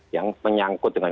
yang menyangkut dengan